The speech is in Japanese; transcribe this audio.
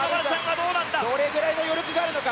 どれぐらいの余力があるのか。